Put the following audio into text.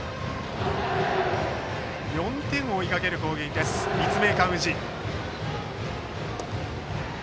４点を追いかける攻撃立命館宇治。